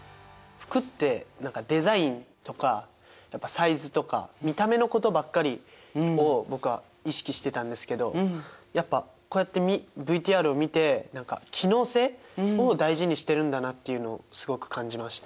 服って何かデザインとかやっぱサイズとか見た目のことばっかりを僕は意識してたんですけどやっぱこうやってＶＴＲを見て何か機能性を大事にしてるんだなっていうのをすごく感じました。